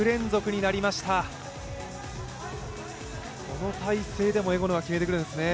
この体勢でもエゴヌは決めてくるんですね。